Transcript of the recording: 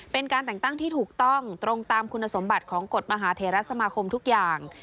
เป็นการแต่งตั้งที่ถูกต้องตรงตามคุณสมบัติของกฎมหาเทรสมาคมทุกอย่าง